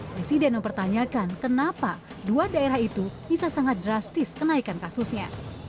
presiden mempertanyakan kenapa dua daerah itu bisa sangat drastis kenaikan kasusnya